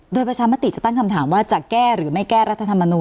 โดยประชามติจะตั้งคำถามว่าจะแก้หรือไม่แก้รัฐธรรมนูล